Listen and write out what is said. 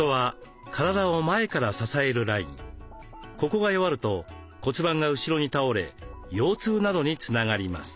ここが弱ると骨盤が後ろに倒れ腰痛などにつながります。